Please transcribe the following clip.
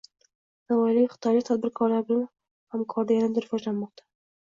Navoiyda xitoylik tadbirkorlar bilan hamkorlik yanada rivojlanmoqda